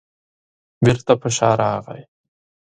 بېرته په شا راغی.